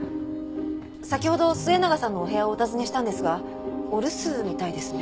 先ほど末永さんのお部屋をお訪ねしたんですがお留守みたいですね。